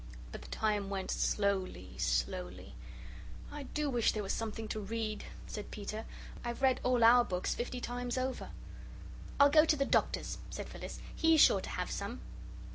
But the time went slowly, slowly. "I do wish there was something to read," said Peter. "I've read all our books fifty times over." "I'll go to the Doctor's," said Phyllis; "he's sure to have some."